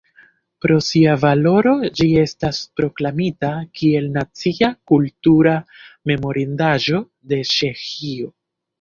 Pro sia valoro ĝi estas proklamita kiel Nacia kultura memorindaĵo de Ĉeĥio.